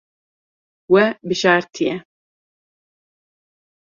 We bijartiye.